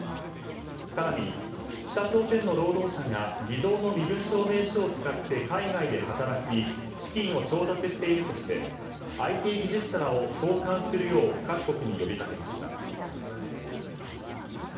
更に北朝鮮の労働者が偽造の身分証明書を使って海外で働き資金を調達しているとしてＩＴ技術者らを送還するよう各国に呼びかけました。